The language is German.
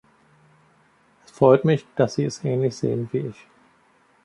Es freut mich, dass Sie es ähnlich sehen wie ich.